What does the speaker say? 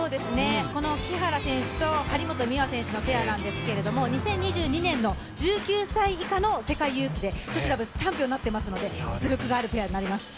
この木原選手と張本美和選手のペアなんですけども、２０２２年の１９歳以下の世界ユースで女子ダブルス、チャンピオンになっていますので実力があるペアになっています。